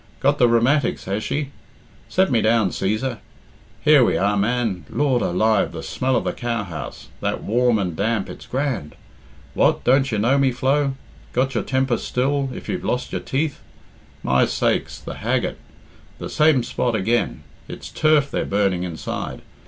Got the rheumatics, has she? Set me down, Cæsar. Here we are, man. Lord alive, the smell of the cowhouse. That warm and damp, it's grand! What, don't you know me, Flo? Got your temper still, if you've lost your teeth? My sakes, the haggard! The same spot again! It's turf they're burning inside!